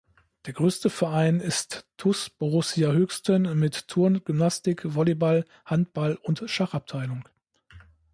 Der größte Verein ist TuS Borussia Höchsten mit Turn-, Gymnastik-, Volleyball-, Handball- und Schachabteilung.